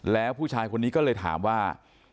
แล้วผู้ชายคนนี้ก็เลยถามว่า